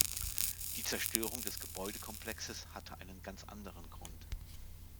Die Zerstörung des Gebäudekomplexes hatte einen ganz anderen Grund.